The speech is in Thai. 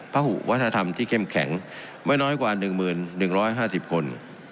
หุวัฒนธรรมที่เข้มแข็งไม่น้อยกว่า๑๑๕๐คน